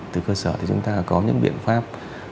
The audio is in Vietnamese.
từ cơ sở thì chúng ta có những biện pháp